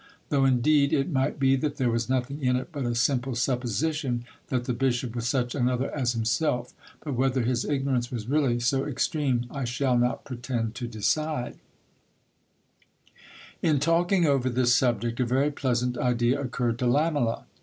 Though indeed it might be, that there was nothing in it but a simple supposition, that the bishop was such another as himself; but whether his ignorance was really so extreme, I shall not pretend to decide. HISTORY OF DON RAPHAEL. 207 In talking over this subject, a very pleasant idea occurred to Lamela.